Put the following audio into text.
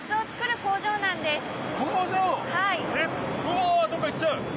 わあどっか行っちゃう！